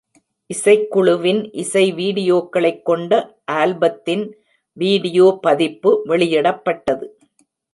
இசைக்குழுவின் இசை வீடியோக்களைக் கொண்ட ஆல்பத்தின் வீடியோ பதிப்பு வெளியிடப்பட்டது.